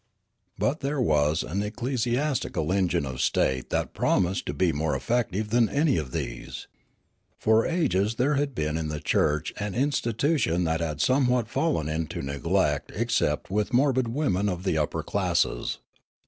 But there was an ecclesiastical engine of state that promised to be more effective than any of these. For ages there had been in the church an institution that had somewhat fallen into neglect except with morbid women of the upper classes.